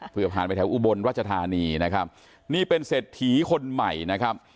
เพื่อผ่านไปแถวอุบลรัชธานีนะครับนี่เป็นเศรษฐีคนใหม่นะครับ